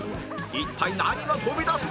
一体何が飛び出すのか！？